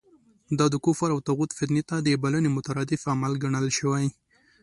دا د کفر او طاغوت فتنې ته د بلنې مترادف عمل ګڼل شوی.